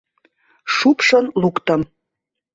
Шупшын луктым.